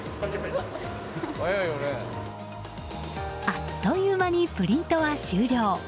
あっという間にプリントは終了。